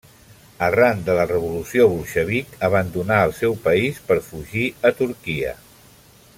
Arran de la revolució bolxevic abandonà el seu país per fugir a Turquia.